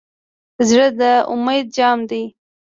زړه د امید جام دی.